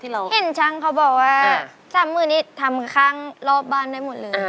ไม่ให้สะคราปเข้าได้